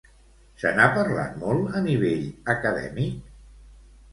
Se n'ha parlat molt a nivell acadèmic?